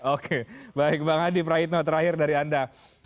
oke baik bang adi praitno terakhir dari anda